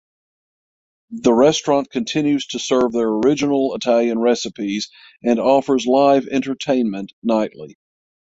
The restaurant continues to serve their original Italian recipes and offers live entertainment nightly.